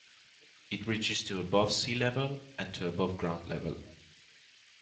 It reaches to above sea level and to above ground level.